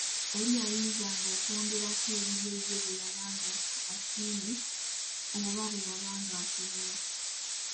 Oli yayinzanga okwongerako ebibye ye bwe yabanga asiimye oba bwe yabanga asobola.